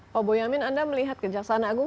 pak boyamin anda melihat kejaksaan agung